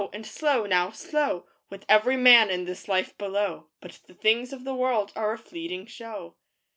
and "Slow, now, slow!" With every man in this life below But the things of the world are a fleeting show.